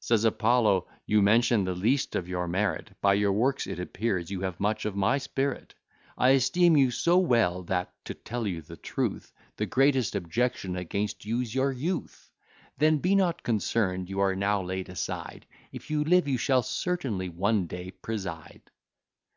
Says Apollo, "You mention the least of your merit; By your works, it appears you have much of my spirit. I esteem you so well, that, to tell you the truth, The greatest objection against you's your youth; Then be not concern'd you are now laid aside; If you live you shall certainly one day preside."